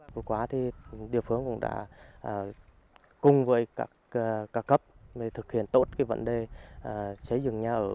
cuối quá thì địa phương cũng đã cùng với các cấp thực hiện tốt vấn đề xây dựng nhà